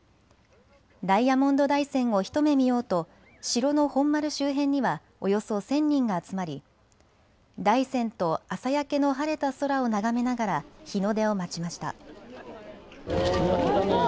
ダイヤモンド大山を一目見ようと城の本丸周辺にはおよそ１０００人が集まり大山と朝焼けの晴れた空を眺めながら日の出を待ちました。